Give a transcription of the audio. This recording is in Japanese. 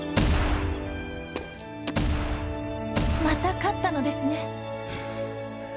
また勝ったのですね。